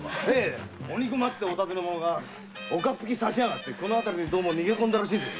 鬼熊っておたずね者が岡っ引き刺してこの辺りに逃げ込んだらしいんです。